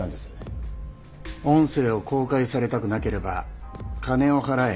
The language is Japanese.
音声を公開されたくなければ金を払え。